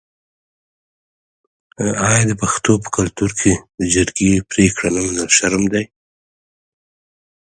آیا د پښتنو په کلتور کې د جرګې پریکړه نه منل شرم نه دی؟